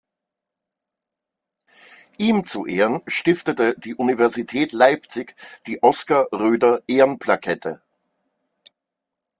Ihm zu Ehren stiftete die Universität Leipzig die "Oskar-Röder-Ehrenplakette".